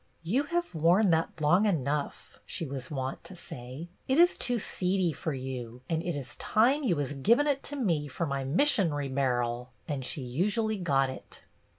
"You have worn that long enough," she was wont to say. " It is too seedy fer you, and it is time you was givin' it to me fer my mission'ry bar'l ;" and she usually got it.